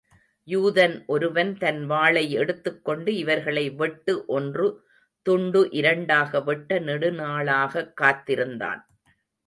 யூதன் ஒருவன் தன் வாளை எடுத்துக் கொண்டு இவர்களை வெட்டு ஒன்று, துண்டு இரண்டாக வெட்ட நெடுநாளாகக் காத்திருந்தான்.